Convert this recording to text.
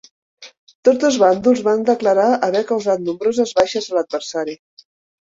Tots dos bàndols van declarar haver causat nombroses baixes a l'adversari.